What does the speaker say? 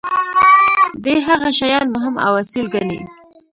دي هغه شیان مهم او اصیل ګڼي.